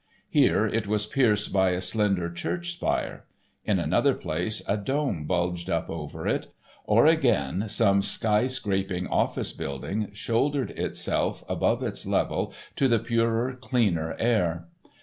Here, it was pierced by a slender church spire. In another place, a dome bulged up over it, or, again, some sky scraping office building shouldered itself above its level to the purer, cleaner air.